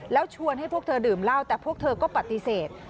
แล้วชวนให้พวกเธอดื่มเหล้าแต่พวกเธอก็ปฏิเสธ